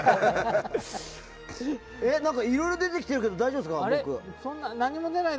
いろいろ出てきていますけど大丈夫ですか。